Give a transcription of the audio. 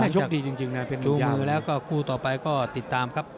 ช่วงมือแล้วก็คู่ต่อไปก็ติดตามครับ